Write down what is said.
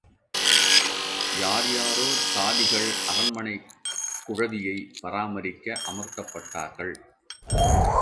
யார் யாரோ தாதிகள் அரண்மனைக் குழவியைப் பராமரிக்க அமர்த்தப்பட்டார்கள்.